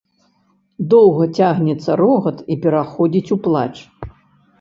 Доўга цягнецца рогат і пераходзіць у плач.